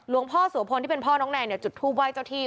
หลวงพ่อสวพลที่เป็นพ่อน้องแนนเนี่ยจุดทูปไว้เจ้าที่